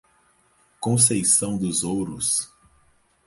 Conceição dos Ouros